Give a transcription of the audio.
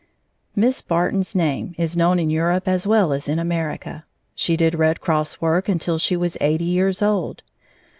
Miss Barton's name is known in Europe as well as in America. She did Red Cross work until she was eighty years old.